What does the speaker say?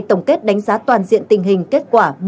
tổng kết đánh giá toàn diện tình hình kết quả một mươi năm